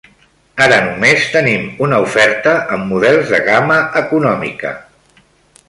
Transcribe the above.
Ara només tenim una oferta amb models de gamma econòmica.